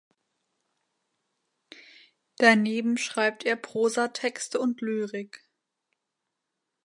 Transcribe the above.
Daneben schreibt er Prosatexte und Lyrik.